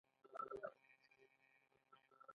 یاداښتونه مې ځنې واخیستل.